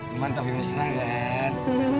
cuman tapi menyenangkan